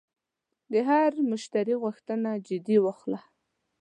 د هر مشتری غوښتنه جدي واخله.